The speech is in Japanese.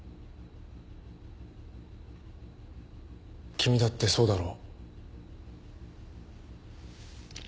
君だってそうだろ？